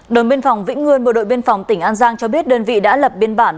đồn biên phòng vĩnh ngươn bộ đội biên phòng tỉnh an giang cho biết đơn vị đã lập biên bản